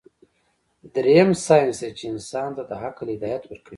دريم سائنس دے چې انسان ته د عقل هدايت ورکوي